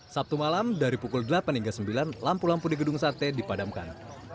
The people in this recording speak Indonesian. sabtu malam dari pukul delapan hingga sembilan lampu lampu di gedung sate dipadamkan